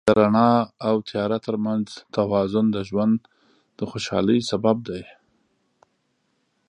د رڼا او تیاره تر منځ توازن د ژوند د خوشحالۍ سبب دی.